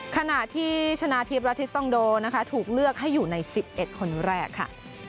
ขณะที่ชนะทิพย์รัฐทิสซองโดนะคะถูกเลือกให้อยู่ใน๑๑คนแรกค่ะ